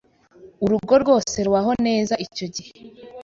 urugo rwose rubaho neza icyo gihe